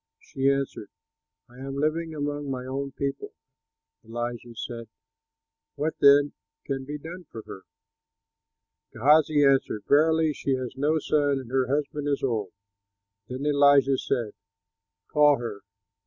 '" She answered, "I am living among my own people." Elisha said, "What then can be done for her?" Gehazi answered, "Verily, she has no son, and her husband is old." Then Elisha said, "Call her."